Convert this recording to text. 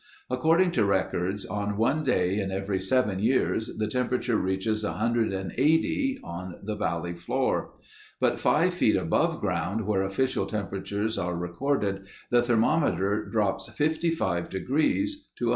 According to records, on one day in every seven years the temperature reaches 180 on the valley floor. But five feet above ground where official temperatures are recorded the thermometer drops 55 degrees to 125.